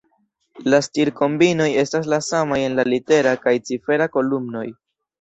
La stir-kombinoj estas la samaj en la litera kaj cifera kolumnoj.